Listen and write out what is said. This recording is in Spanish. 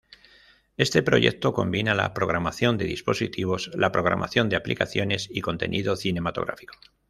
Este proyecto combina la programación de dispositivos, la programación de aplicaciones y contenido cinematográfico.